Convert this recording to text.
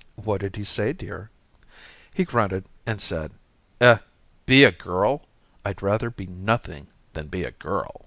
'" "What did he say, dear?" "He grunted and said, 'Eh be a girl? I'd rather be nothing than be a girl.'"